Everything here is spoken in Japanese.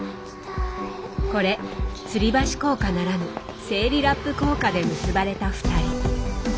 これつり橋効果ならぬ生理ラップ効果で結ばれた２人。